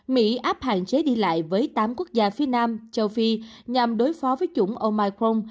mỹ áp hạn chế đi lại với tám quốc gia phía nam châu phi nhằm đối phó với chủng omicron